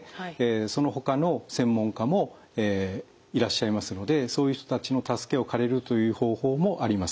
そのほかの専門家もいらっしゃいますのでそういう人たちの助けを借りるという方法もあります。